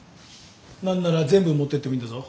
何なら全部持ってってもいいんだぞ。